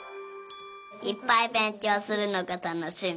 いっぱいべんきょうするのがたのしみ。